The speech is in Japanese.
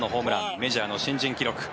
メジャーの新人記録。